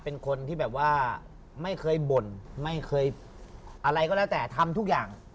เป็นคนที่แบบว่าไม่เคยบ่นไม่เคยอะไรก็แล้วแต่ทำทุกอย่าง